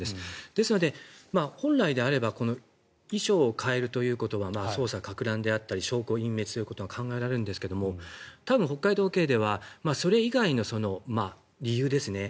ですので、本来であれば衣装を変えるということは捜査かく乱であったり証拠隠滅ということが考えられるんですが多分、北海道警ではそれ以外の理由ですね